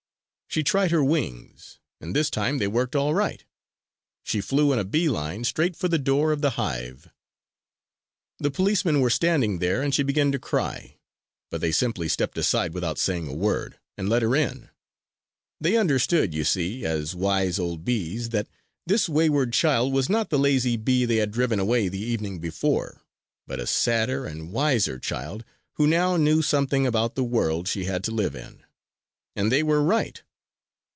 She tried her wings; and this time they worked all right. She flew in a bee line straight for the door of the hive. The policemen were standing there and she began to cry. But they simply stepped aside without saying a word, and let her in. They understood, you see, as wise old bees, that this wayward child was not the lazy bee they had driven away the evening before, but a sadder and wiser child who now knew something about the world she had to live in. And they were right.